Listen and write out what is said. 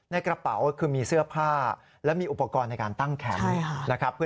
ในกระเป๋าคือมีเสื้อผ้าและมีอุปกรณ์ในการตั้งแคมป์นะครับ